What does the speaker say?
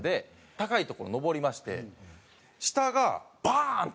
高い所上りまして下がバーン！って